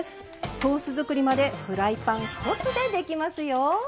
ソース作りまでフライパン一つでできますよ。